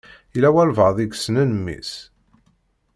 Yella walebɛaḍ i yessnen mmi-s?